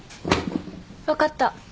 分かった。